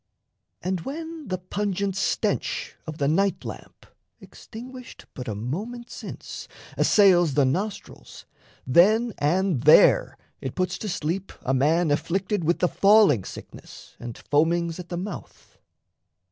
And when the pungent stench of the night lamp, Extinguished but a moment since, assails The nostrils, then and there it puts to sleep A man afflicted with the falling sickness And foamings at the mouth.